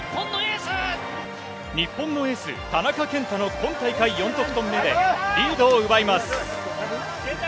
日本のエース、田中健太の今大会４得点目で、リードを奪います。